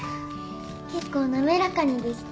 結構滑らかにできてる